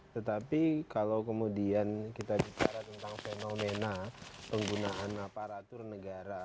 tetapi kalau kemudian kita bicara tentang fenomena penggunaan aparatur negara